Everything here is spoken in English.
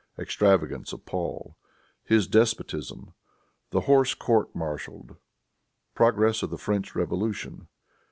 Extravagance of Paul. His Despotism. The Horse Court Martialed. Progress of the French Revolution.